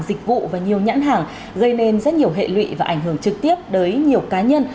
dịch vụ và nhiều nhãn hàng gây nên rất nhiều hệ lụy và ảnh hưởng trực tiếp tới nhiều cá nhân